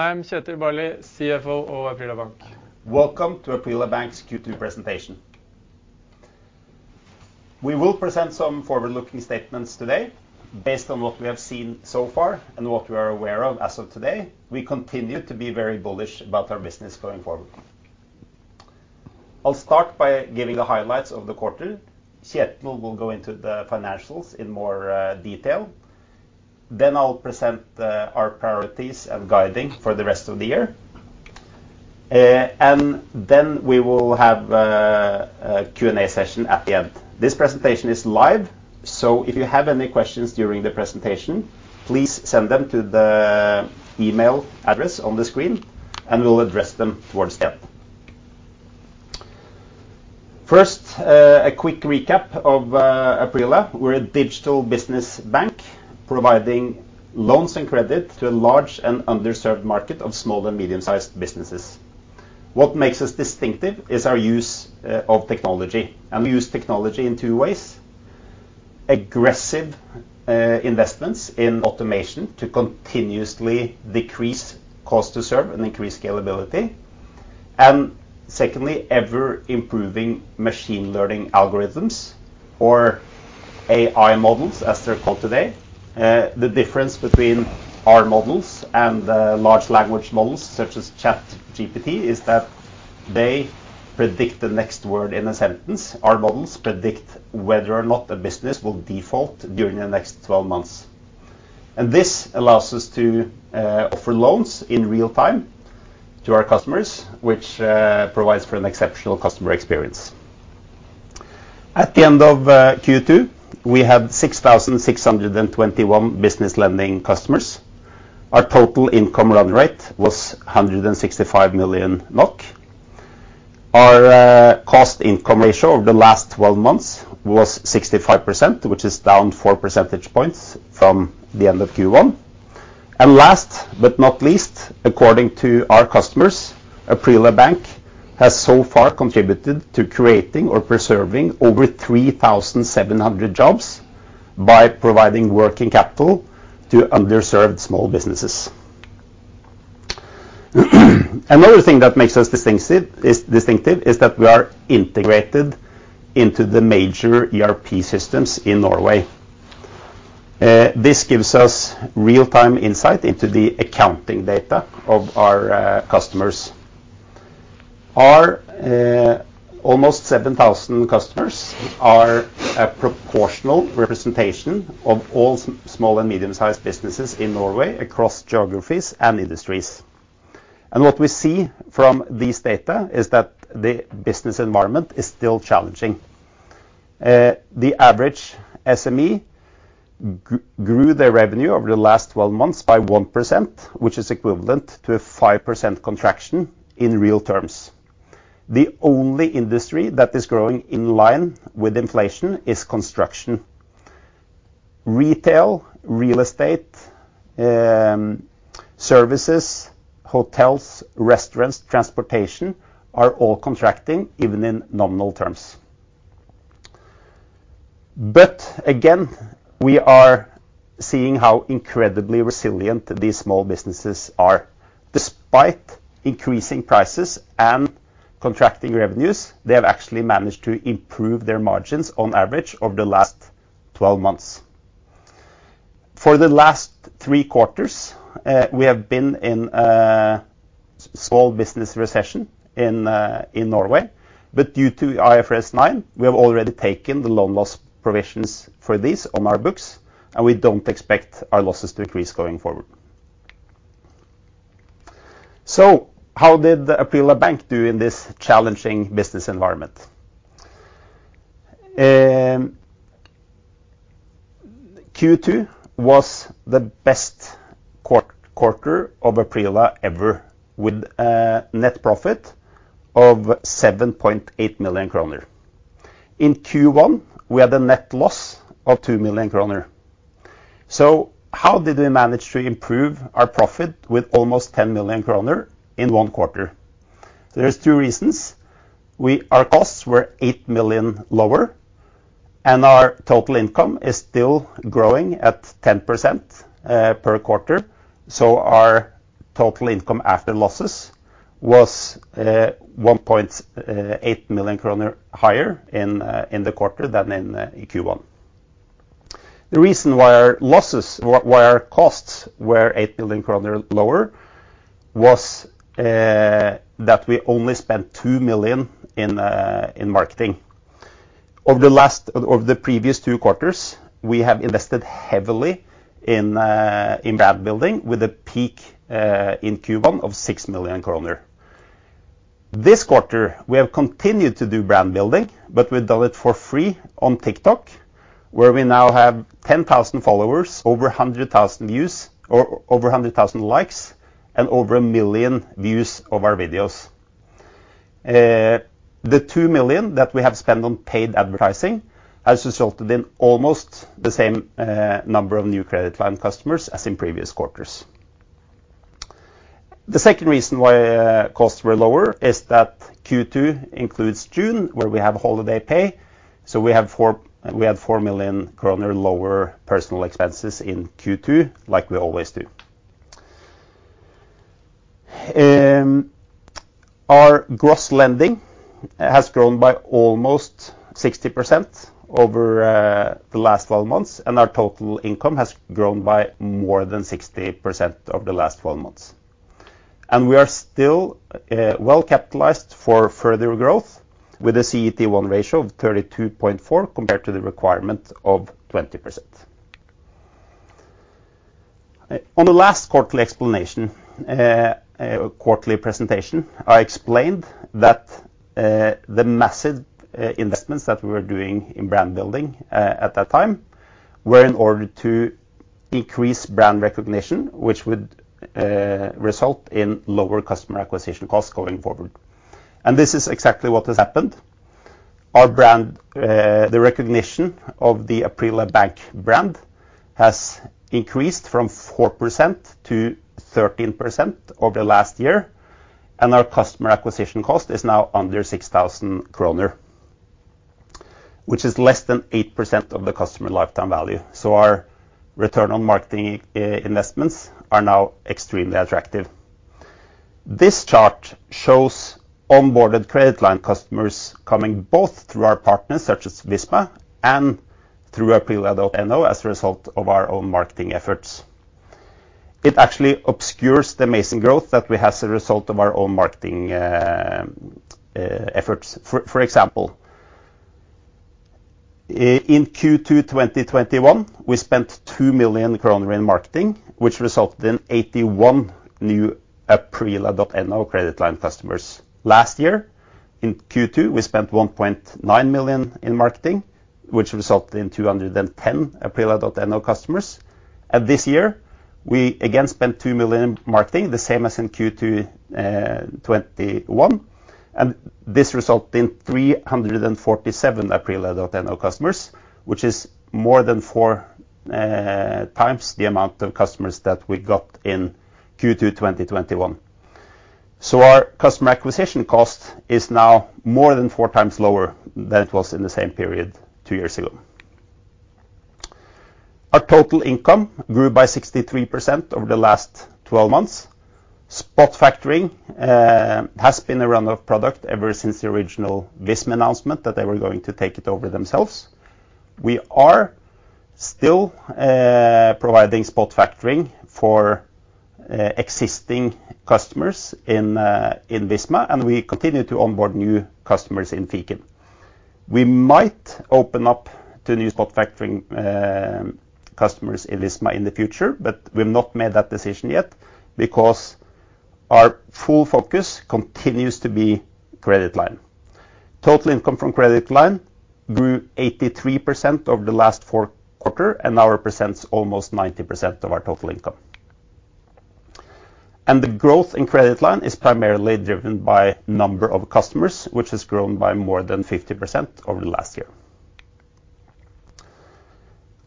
I'm Kjetil Barli, CFO of Aprila Bank. Welcome to Aprila Bank's Q2 presentation. We will present some forward-looking statements today based on what we have seen so far and what we are aware of as of today. We continue to be very bullish about our business going forward. I'll start by giving the highlights of the quarter. Kjetil will go into the financials in more detail, then I'll present our priorities and guiding for the rest of the year. Then we will have a Q&A session at the end. This presentation is live, so if you have any questions during the presentation, please send them to the email address on the screen, and we'll address them towards the end. First, a quick recap of Aprila. We're a digital business bank, providing loans and credit to a large and underserved market of small and medium-sized businesses. What makes us distinctive is our use of technology. We use technology in two ways: aggressive investments in automation to continuously decrease cost to serve and increase scalability. Secondly, ever-improving machine learning algorithms or AI models, as they're called today. The difference between our models and the large language models, such as ChatGPT, is that they predict the next word in a sentence. Our models predict whether or not a business will default during the next 12 months. This allows us to offer loans in real time to our customers, which provides for an exceptional customer experience. At the end of Q2, we had 6,621 business lending customers. Our total income run rate was 165 million NOK. Our cost income ratio over the last 12 months was 65%, which is down 4 percentage points from the end of Q1. Last but not least, according to our customers, Aprila Bank has so far contributed to creating or preserving over 3,700 jobs by providing working capital to underserved small businesses. Another thing that makes us distinctive, is that we are integrated into the major ERP systems in Norway. This gives us real-time insight into the accounting data of our customers. Our almost 7,000 customers are a proportional representation of all small and medium-sized businesses in Norway, across geographies and industries. What we see from these data is that the business environment is still challenging. The average SME grew their revenue over the last 12 months by 1%, which is equivalent to a 5% contraction in real terms. The only industry that is growing in line with inflation is construction. Retail, real estate, services, hotels, restaurants, transportation, are all contracting, even in nominal terms. Again, we are seeing how incredibly resilient these small businesses are. Despite increasing prices and contracting revenues, they have actually managed to improve their margins on average over the last 12 months. For the last three quarters, we have been in a small business recession in Norway, but due to IFRS 9, we have already taken the loan loss provisions for this on our books, and we don't expect our losses to increase going forward. How did Aprila Bank do in this challenging business environment? Q2 was the best quarter of Aprila ever, with a net profit of 7.8 million kroner. In Q1, we had a net loss of 2 million kroner. How did we manage to improve our profit with almost 10 million kroner in one quarter? There's two reasons. Our costs were 8 million lower, and our total income is still growing at 10% per quarter, so our total income after losses was 1.8 million kroner higher in the quarter than in Q1. The reason why our costs were 8 million kroner lower was that we only spent 2 million in marketing. Over the last, over the previous two quarters, we have invested heavily in brand building, with a peak in Q1 of 6 million kroner. This quarter, we have continued to do brand building, but we've done it for free on TikTok, where we now have 10,000 followers, over 100,000 views or over 100,000 likes, and over 1 million views of our videos. The 2 million that we have spent on paid advertising has resulted in almost the same number of new credit line customers as in previous quarters. The second reason why costs were lower is that Q2 includes June, where we have holiday pay. We have 4 million kroner lower personal expenses in Q2, like we always do. Our gross lending has grown by almost 60% over the last 12 months, and our total income has grown by more than 60% over the last 12 months. We are still well-capitalized for further growth, with a CET1 ratio of 32.4, compared to the requirement of 20%. On the last quarterly explanation, quarterly presentation, I explained that the massive investments that we were doing in brand building at that time, were in order to increase brand recognition, which would result in lower customer acquisition costs going forward. This is exactly what has happened. Our brand, the recognition of the Aprila Bank brand has increased from 4% to 13% over the last year, and our customer acquisition cost is now under 6,000 kroner, which is less than 8% of the customer lifetime value. Our return on marketing investments are now extremely attractive. This chart shows onboarded credit line customers coming both through our partners, such as Visma and through aprila.no as a result of our own marketing efforts. It actually obscures the amazing growth that we have as a result of our own marketing efforts. For example, in Q2 2021, we spent 2 million kroner in marketing, which resulted in 81 new aprila.no credit line customers. Last year, in Q2, we spent 1.9 million in marketing, which resulted in 210 aprila.no customers. This year, we again spent 2 million in marketing, the same as in Q2 2021, and this resulted in 347 aprila.no customers, which is more than 4x the amount of customers that we got in Q2 2021. Our customer acquisition cost is now more than four times lower than it was in the same period 2 years ago. Our total income grew by 63% over the last 12 months. Spot factoring has been a runoff product ever since the original Visma announcement that they were going to take it over themselves. We are still providing spot factoring for existing customers in Visma, and we continue to onboard new customers in Fiken. We might open up to new spot factoring customers in Visma in the future, but we've not made that decision yet, because our full focus continues to be credit line. Total income from credit line grew 83% over the last four quarter, and now represents almost 90% of our total income. The growth in credit line is primarily driven by number of customers, which has grown by more than 50% over the last year.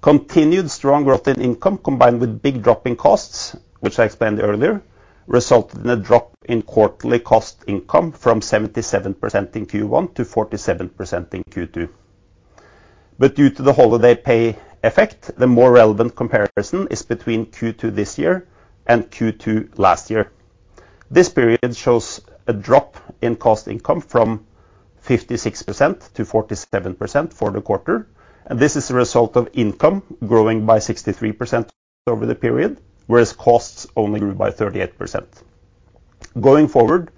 Continued strong growth in income, combined with big drop in costs, which I explained earlier, resulted in a drop in quarterly cost income from 77% in Q1 to 47% in Q2. Due to the holiday pay effect, the more relevant comparison is between Q2 this year and Q2 last year. This period shows a drop in cost income from 56% to 47% for the quarter, and this is a result of income growing by 63% over the period, whereas costs only grew by 38%. Going forward,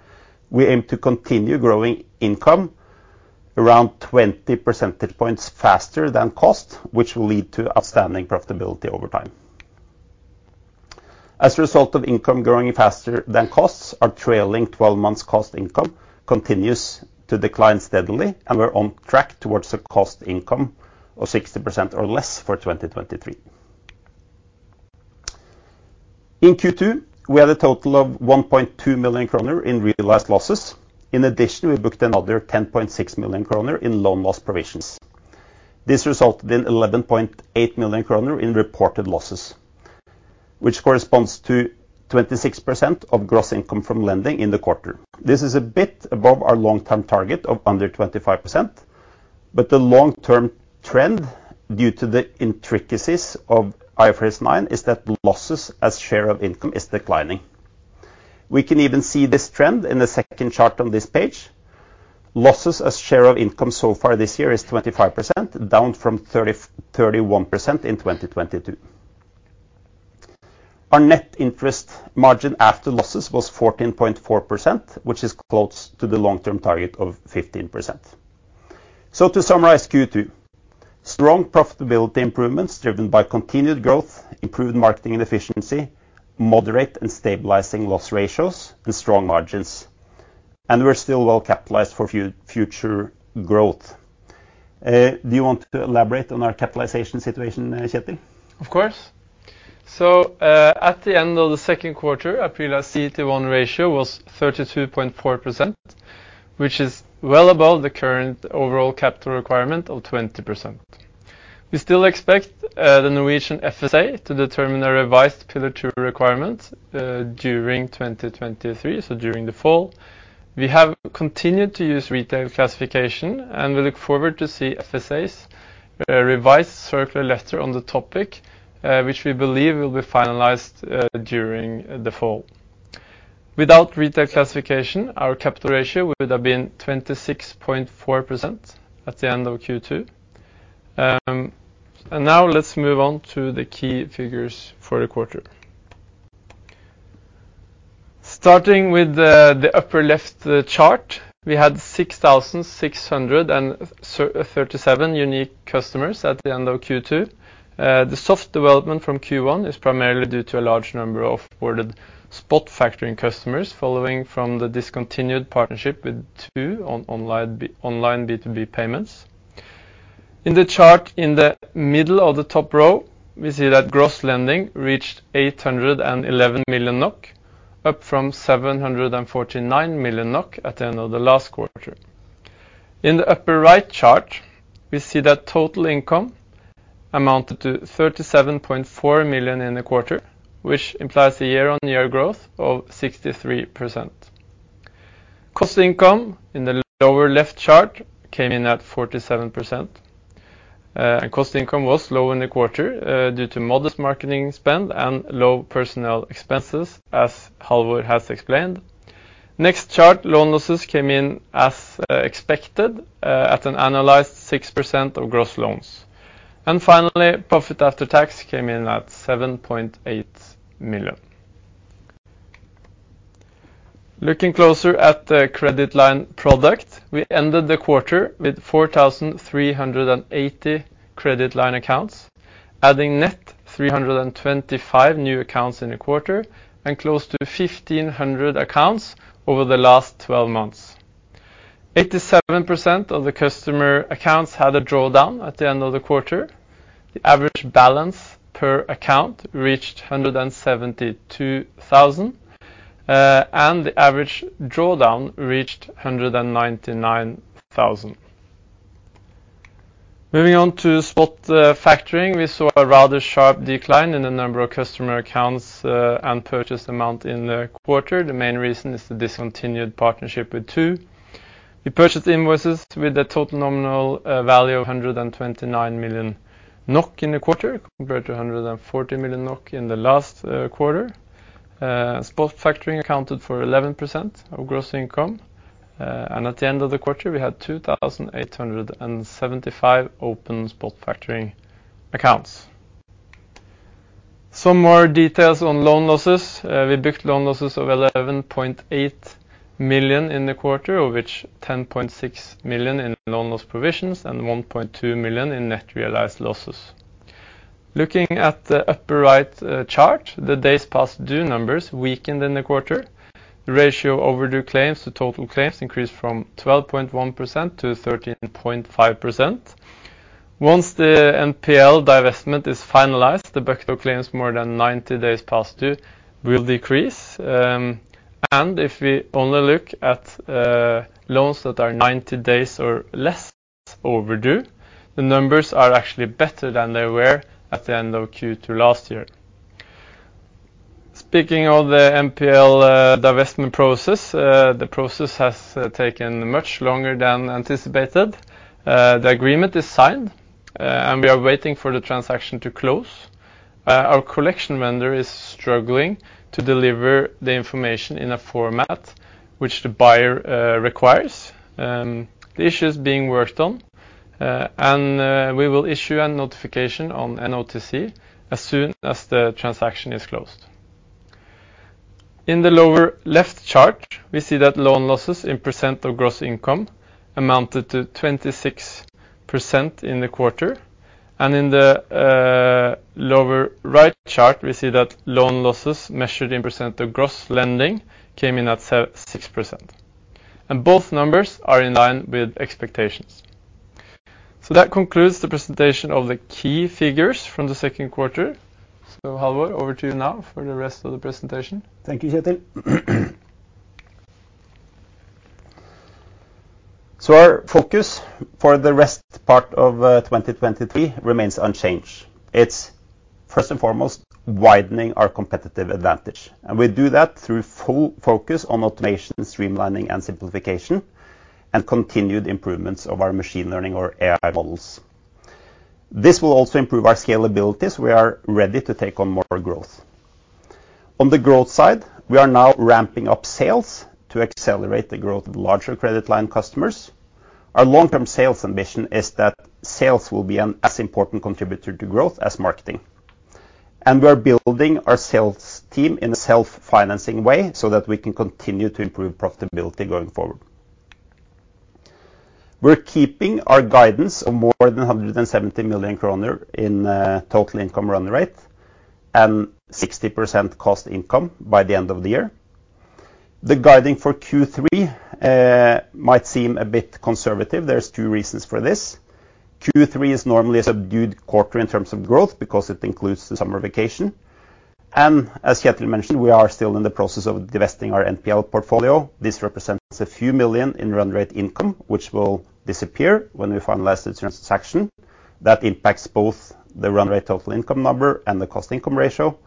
we aim to continue growing income around 20 percentage points faster than cost, which will lead to outstanding profitability over time. As a result of income growing faster than costs, our trailing twelve months cost income continues to decline steadily, and we're on track towards a cost income of 60% or less for 2023. In Q2, we had a total of 1.2 million kroner in realized losses. In addition, we booked another 10.6 million kroner in loan loss provisions. This resulted in 11.8 million kroner in reported losses, which corresponds to 26% of gross income from lending in the quarter. This is a bit above our long-term target of under 25%, but the long-term trend, due to the intricacies of IFRS 9, is that losses as share of income is declining. We can even see this trend in the second chart on this page. Losses as share of income so far this year is 25%, down from 31% in 2022. Our net interest margin after losses was 14.4%, which is close to the long-term target of 15%. To summarize Q2, strong profitability improvements driven by continued growth, improved marketing and efficiency, moderate and stabilizing loss ratios, and strong margins. We're still well capitalized for future growth. Do you want to elaborate on our capitalization situation, Kjetil? Of course. At the end of the second quarter, Aprila CET1 ratio was 32.4%, which is well above the current overall capital requirement of 20%. We still expect the Norwegian FSA to determine a revised Pillar 2 requirement during 2023, so during the fall. We have continued to use retail classification, and we look forward to see FSA's revised circular letter on the topic, which we believe will be finalized during the fall. Without retail classification, our capital ratio would have been 26.4% at the end of Q2. Now let's move on to the key figures for the quarter. Starting with the, the upper left chart, we had 6,637 unique customers at the end of Q2. The soft development from Q1 is primarily due to a large number of ordered spot factoring customers, following from the discontinued partnership with DNB on online, online B2B payments. In the chart in the middle of the top row, we see that gross lending reached 811 million NOK, up from 749 million NOK at the end of the last quarter. In the upper right chart, we see that total income amounted to 37.4 million in the quarter, which implies a year-on-year growth of 63%. cost income in the lower left chart came in at 47%. cost income was low in the quarter, due to modest marketing spend and low personnel expenses, as Halvor has explained. Next chart, loan losses came in as expected, at an analyzed 6% of gross loans. Finally, profit after tax came in at 7.8 million. Looking closer at the credit line product, we ended the quarter with 4,380 credit line accounts, adding net 325 new accounts in a quarter and close to 1,500 accounts over the last 12 months. 87% of the customer accounts had a drawdown at the end of the quarter. The average balance per account reached 172,000 and the average drawdown reached 199,000. Moving on to spot factoring, we saw a rather sharp decline in the number of customer accounts and purchase amount in the quarter. The main reason is the discontinued partnership with DNB. We purchased invoices with a total nominal value of 129 million NOK in the quarter, compared to 140 million NOK in the last quarter. Spot factoring accounted for 11% of gross income. At the end of the quarter, we had 2,875 open spot factoring accounts. Some more details on loan losses. We booked loan losses of 11.8 million in the quarter, of which 10.6 million in loan loss provisions and 1.2 million in net realized losses. Looking at the upper right chart, the days past due numbers weakened in the quarter. The ratio of overdue claims to total claims increased from 12.1% to 13.5%. Once the NPL divestment is finalized, the backlog claims more than 90 days past due will decrease. If we only look at loans that are 90 days or less overdue, the numbers are actually better than they were at the end of Q2 last year. Speaking of the NPL divestment process, the process has taken much longer than anticipated. The agreement is signed, and we are waiting for the transaction to close. Our collection vendor is struggling to deliver the information in a format which the buyer requires. The issue is being worked on, and we will issue a notification on NOTC as soon as the transaction is closed. In the lower left chart, we see that loan losses in percent of gross income amounted to 26% in the quarter. In the lower right chart, we see that loan losses, measured in percent of gross lending, came in at 6%. Both numbers are in line with expectations. Halvor, over to you now for the rest of the presentation. Thank you, Kjetil. Our focus for the rest part of 2023 remains unchanged. It's first and foremost, widening our competitive advantage, and we do that through full focus on automation, streamlining, and simplification, and continued improvements of our machine learning or AI models. This will also improve our scalability, so we are ready to take on more growth. On the growth side, we are now ramping up sales to accelerate the growth of larger credit line customers. Our long-term sales ambition is that sales will be an as important contributor to growth as marketing. We are building our sales team in a self-financing way so that we can continue to improve profitability going forward. We're keeping our guidance of more than 170 million kroner in total income run rate and 60% cost income by the end of the year. The guiding for Q3 might seem a bit conservative. There's two reasons for this. Q3 is normally a subdued quarter in terms of growth because it includes the summer vacation. As Kjetil mentioned, we are still in the process of divesting our NPL portfolio. This represents a few million in run rate income, which will disappear when we finalize the transaction. That impacts both the run rate total income number and the cost income ratio.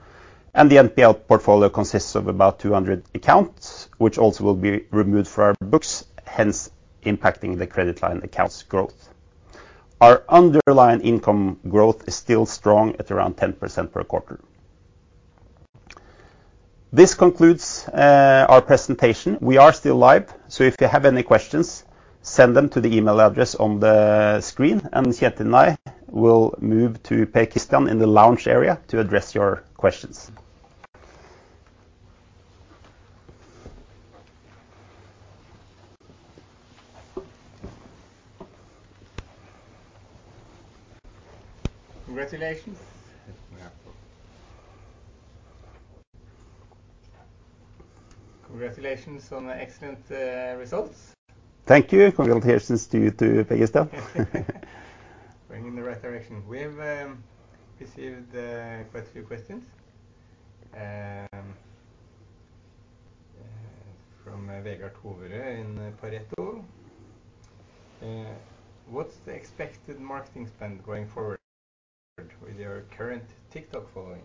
The NPL portfolio consists of about 200 accounts, which also will be removed from our books, hence impacting the credit line accounts growth. Our underlying income growth is still strong, at around 10% per quarter. This concludes our presentation. We are still live, so if you have any questions, send them to the email address on the screen, and Kjetil and I will move to Per Christian in the lounge area to address your questions. Congratulations. Yeah. Congratulations on the excellent results. Thank you. Congratulations to you, too, Per Christian. We're in the right direction. We've received quite a few questions from Vegard Toverud in Pareto. What's the expected marketing spend going forward with your current TikTok following?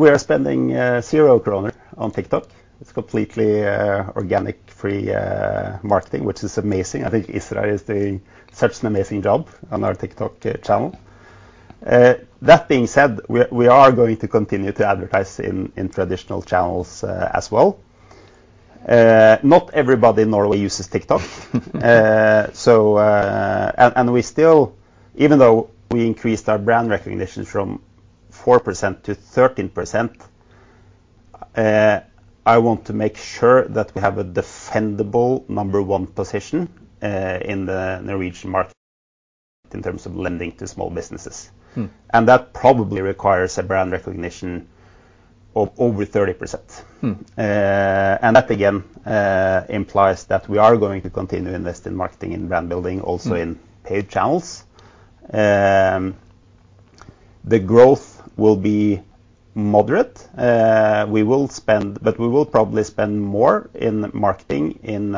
We are spending 0 kroner on TikTok. It's completely organic, free marketing, which is amazing. I think Israr is doing such an amazing job on our TikTok channel. That being said, we are going to continue to advertise in traditional channels as well. Not everybody in Norway uses TikTok. We still, even though we increased our brand recognition from 4% to 13%, I want to make sure that we have a defendable number one position in the Norwegian market in terms of lending to small businesses. Mm. That probably requires a brand recognition of over 30%. Mm. That, again, implies that we are going to continue to invest in marketing and brand building- Mm.... also in paid channels. The growth will be moderate. We will probably spend more in marketing in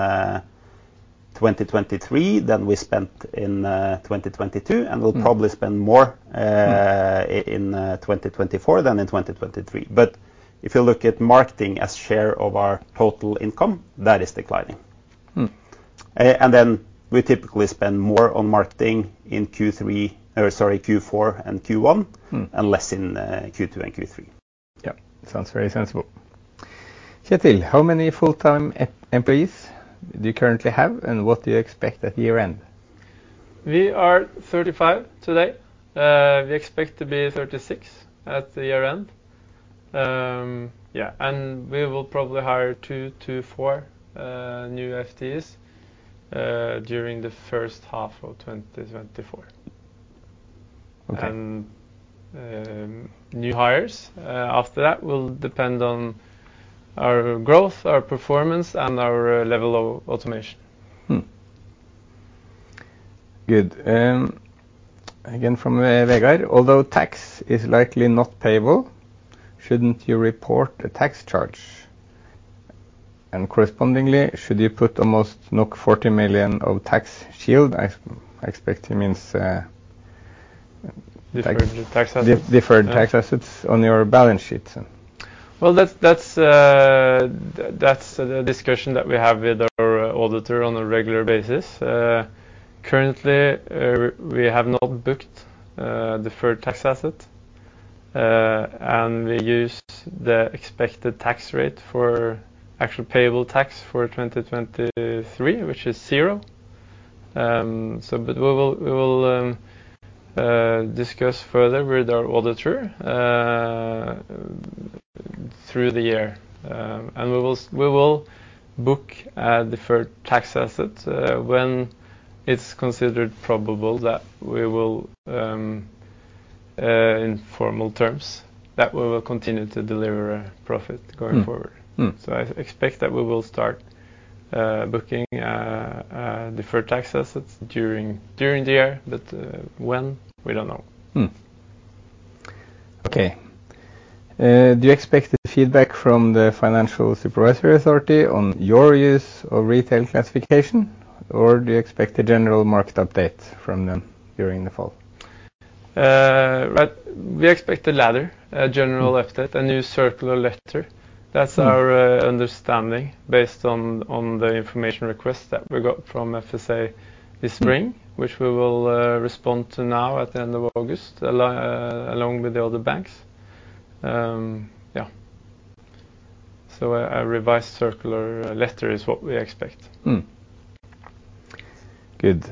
2023 than we spent in 2022. Mm. We'll probably spend more in 2024 than in 2023. If you look at marketing as share of our total income, that is declining. Mm. Then we typically spend more on marketing in Q3, sorry, Q4 and Q1- Mm.... and less in, Q2 and Q3. Yeah, sounds very sensible. Kjetil, how many full-time employees do you currently have, and what do you expect at the year-end? We are 35 today. We expect to be 36 at the year-end. We will probably hire two to four new FTEs during the first half of 2024. Okay. New hires, after that, will depend on our growth, our performance, and our, level of automation. Good. Again, from Vegard: Although tax is likely not payable, shouldn't you report a tax charge? Correspondingly, should you put almost 40 million of tax shield? I expect he means- Deferred tax assets.... deferred tax assets on your balance sheet. Well, that's, that's, that's a discussion that we have with our auditor on a regular basis. Currently, we have not booked, deferred tax asset, and we used the expected tax rate for actual payable tax for 2023, which is zero. We will, we will, discuss further with our auditor, through the year, and we will, we will book a deferred tax asset, when it's considered probable that we will, in formal terms, that we will continue to deliver a profit going forward. Mm. Mm. I expect that we will start booking deferred tax assets during the year, but when, we don't know. Okay. Do you expect the feedback from the Financial Supervisory Authority on your use of retail classification, or do you expect a general market update from them during the fall? Right. We expect the latter, a general update, a new circular letter. Mm. That's our understanding based on, on the information request that we got from FSA this spring- Mm.... which we will respond to now at the end of August, along with the other banks. Yeah. A, a revised circular, letter is what we expect. Good.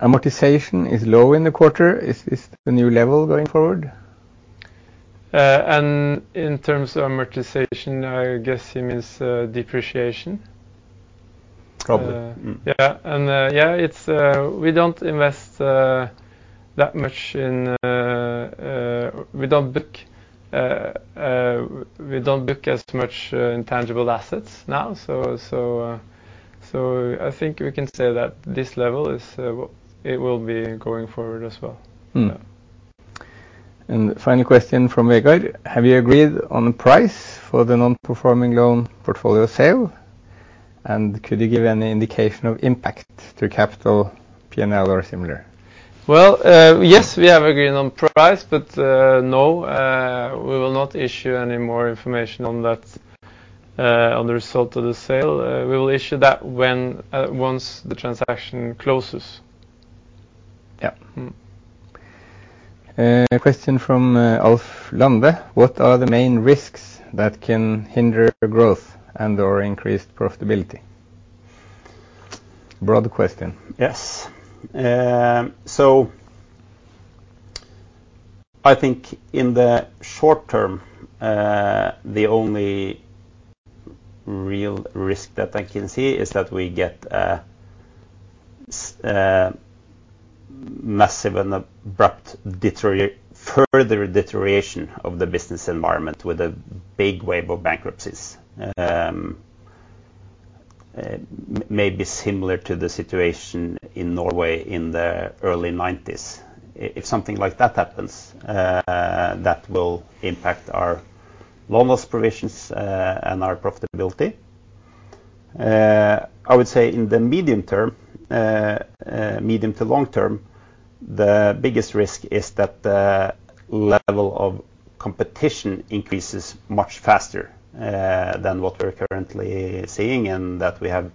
Amortization is low in the quarter. Is, is the new level going forward? In terms of amortization, I guess he means, depreciation? Probably. Yeah, yeah, it's, we don't invest that much in. We don't book as much intangible assets now. I think we can say that this level is what it will be going forward as well. Mm. Final question from Vegard: Have you agreed on a price for the non-performing loan portfolio sale? Could you give any indication of impact to capital P&L or similar? Well, yes, we have agreed on price, but, no, we will not issue any more information on that, on the result of the sale. We will issue that when, once the transaction closes. Yeah. Mm. A question from Alf Lande: What are the main risks that can hinder growth and/or increase profitability? Broad question. Yes. I think in the short term, the only real risk that I can see is that we get a massive and abrupt further deterioration of the business environment with a big wave of bankruptcies. Maybe similar to the situation in Norway in the early 1990s. If something like that happens, that will impact our loan loss provisions and our profitability. I would say in the medium term, medium to long term, the biggest risk is that the level of competition increases much faster than what we're currently seeing, and that we have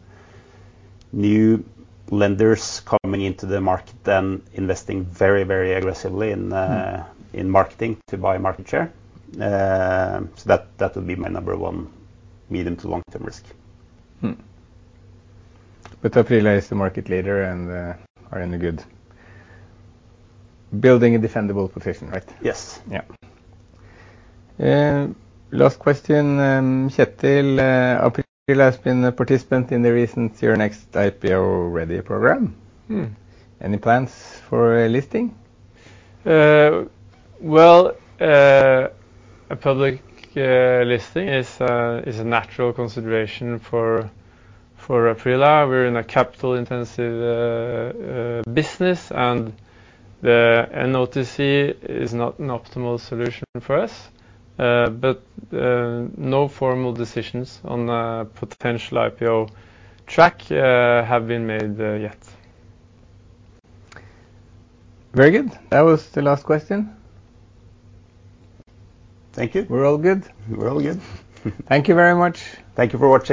new lenders coming into the market and investing very, very aggressively in marketing to buy market share. That, that would be my number one medium-to-long-term risk. Mm. Aprila is the market leader, and are in a good. Building a defendable position, right? Yes. Yeah. Last question, Kjetil, Aprila has been a participant in the recent Euronext IPOready program. Mm. Any plans for a listing? Well, a public listing is a natural consideration for Aprila. We're in a capital-intensive business, and the NOTC is not an optimal solution for us. No formal decisions on a potential IPO track have been made yet. Very good. That was the last question. Thank you. We're all good? We're all good. Thank you very much. Thank you for watching.